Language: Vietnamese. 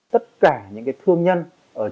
tất cả những cái thương nhân ở trên